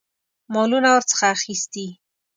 مالونه ورڅخه اخیستي.